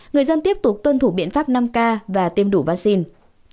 người dân tiếp tục tuân thủ biện pháp năm k và tiêm đủ vaccine